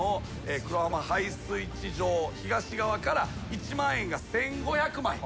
黒浜配水池場東側から一万円が１，５００枚。